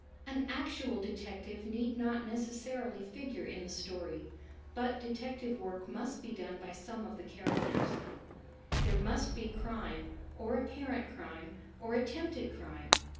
An actual detective need not nece ssarily figure in the. story, but detective work must be done by some ^Lthe. characters. There miistTSe^^me or apparent crime or attempted crime.